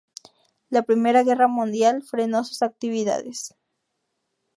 La Primera Guerra Mundial frenó sus actividades.